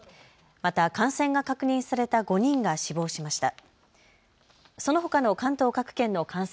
また感染が確認された５人が死亡しました。